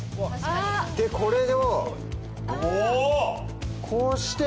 でこれをこうして。